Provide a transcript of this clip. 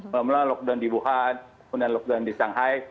mulai lockdown di wuhan kemudian lockdown di shanghai